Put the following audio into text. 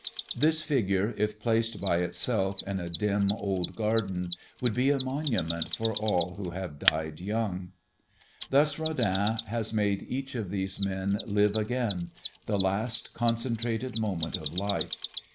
This figure, if placed by itself in a dim, old garden, would be a monument for all who have died young. Thus Rodin has made each of these men live again the last concentrated moment of life.